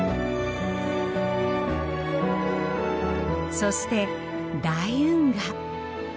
そして大運河。